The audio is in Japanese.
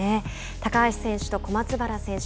高橋選手と小松原選手